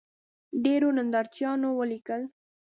ډېرو نندارچیانو ولیکل